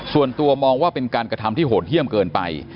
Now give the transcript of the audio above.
ส่วนตัวมองว่าเป็นการกระทำที่โหดเยี่ยมเกินไป